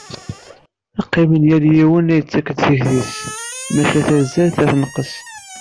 Qimmen yal yiwen la d-yettakk tikti-s, maca ta tzad ta tenqes.